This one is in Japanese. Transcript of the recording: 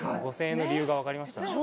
５０００円の理由が分かりました。